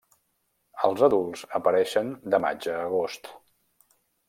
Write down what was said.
Els adults apareixen de maig a agost.